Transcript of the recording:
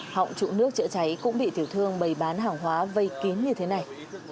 họng trụ nước chữa cháy cũng bị tiểu thương bày bán hàng hóa vây kín như thế này